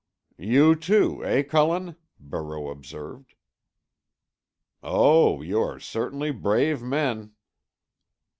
"You, too, eh, Cullen?" Barreau observed. "Oh, you are certainly brave men."